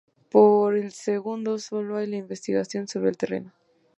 Por el segundo sólo hay la investigación sobre el terreno.